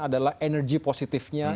adalah energi positifnya